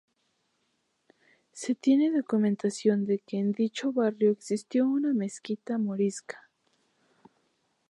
Se tiene documentación de que en dicho barrio existió una mezquita morisca.